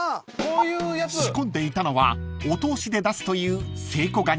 ［仕込んでいたのはお通しで出すという］